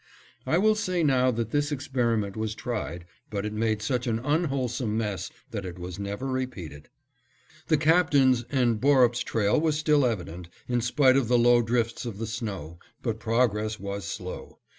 I will say now that this experiment was tried, but it made such an unwholesome mess that it was never repeated. The Captain's and Borup's trail was still evident, in spite of the low drifts of the snow, but progress was slow.